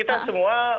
ini kan kita semua